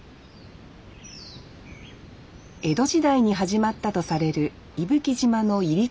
江戸時代に始まったとされる伊吹島のいりこ作り。